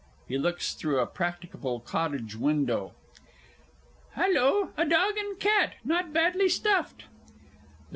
(He looks through a practicable cottage window.) Hallo, a Dog and a Cat. Not badly stuffed! THE G.